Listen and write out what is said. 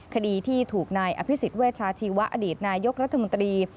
คดีที่ถูกนายอภิษฎเวชาชีวะอดีตนายกรัฐมนตรี